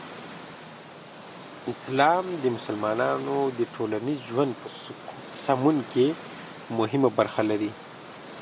اسلام د مسلمانانو د ټولنیز ژوند په سمون کې مهمه برخه لري.